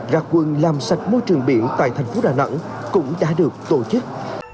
ra quân làm sạch môi trường biển tại thành phố đà nẵng cũng đã được tổ chức